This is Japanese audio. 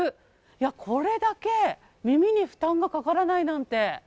これだけ耳に負担がかからないなんて。